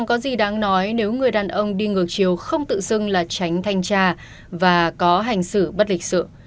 có gì đáng nói nếu người đàn ông đi ngược chiều không tự xưng là tránh thanh tra và có hành xử bất lịch sự